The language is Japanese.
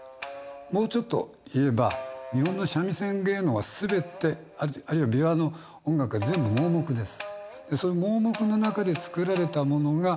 もうちょっと言えば日本の三味線芸能は全てあるいは琵琶の音楽は全部盲目です。